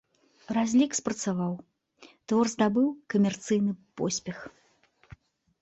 Разлік спрацаваў, твор здабыў камерцыйны поспех.